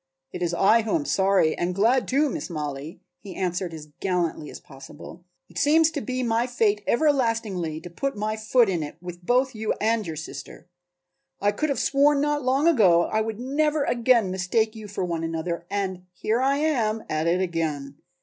"It is I who am sorry and glad too, Miss Mollie," he answered as gallantly as possible. "It seems to be my fate everlastingly to put my foot in it with both you and your sister. I could have sworn not long ago that I would never again mistake you for one another and here I am at it again.